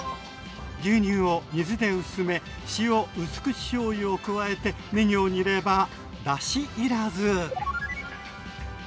牛乳を水で薄め塩うす口しょうゆを加えてねぎを煮ればだし要らず！